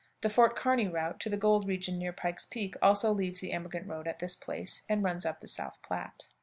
The Fort Kearney route to the gold region near Pike's Peak also leaves the emigrant road at this place and runs up the South Platte.